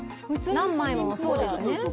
何枚もそうですね